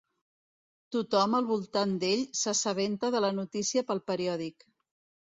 Tothom al voltant d'ell s'assabenta de la notícia pel periòdic.